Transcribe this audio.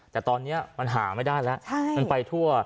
แต่ตอนนี้มันหาไม่ได้แล้วมันไปทั่ว